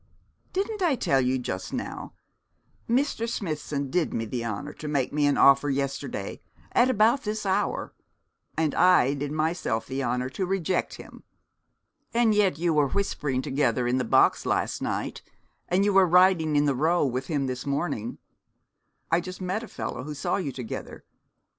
'Didn't I tell you so just now? Mr. Smithson did me the honour to make me an offer yesterday, at about this hour; and I did myself the honour to reject him.' 'And yet you were whispering together in the box last night, and you were riding in the Row with him this morning. I just met a fellow who saw you together.